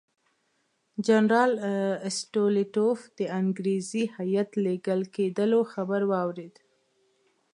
جنرال سټولیتوف د انګریزي هیات لېږل کېدلو خبر واورېد.